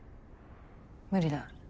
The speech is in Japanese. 無理だ。